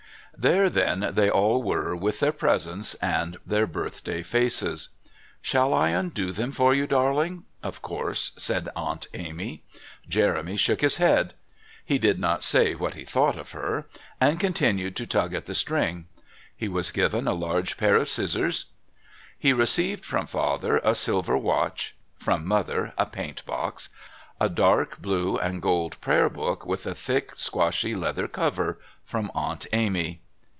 There, then, they all were with their presents and their birthday faces. "Shall I undo them for you, darling?" of course said Aunt Amy. Jeremy shook his head (he did not say what he thought of her) and continued to tug at the string. He was given a large pair of scissors. He received (from Father) a silver watch, (from Mother) a paint box, a dark blue and gold prayer book with a thick squashy leather cover (from Aunt Amy).